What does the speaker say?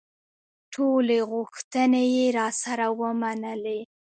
ټولې غوښتنې یې راسره ومنلې.